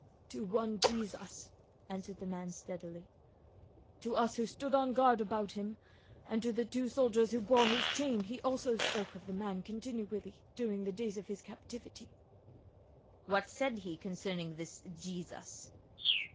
"To one Jesus," answered the man steadily. "To us who stood on guard about him, and to the two soldiers who bore his chain he also spoke of the man continually during the days of his captivity." "What said he concerning this Jesus?"